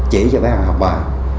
chỉ cho bé hân học bài